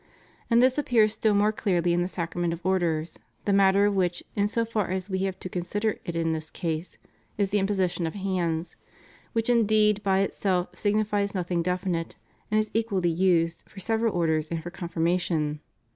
And this appears still more clearly in the Sacrament of Orders, the matter of which, in so far as We have to consider it in this case, is the im position of hands, which indeed by itself signifies nothing definite, and is equally used for several Orders and for Confirmation.